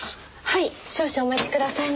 はい。